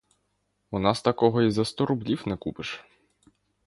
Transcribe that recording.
У нас такого й за сто рублів не купиш.